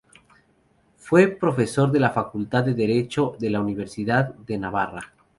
Fue profesor de la Facultad de Derecho de la Universidad de Navarra.